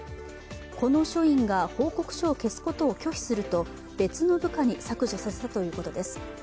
この署員が報告書を消すことを拒否すると別の部下に削除させたということです。